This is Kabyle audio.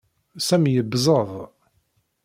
Sami yebẓeḍ.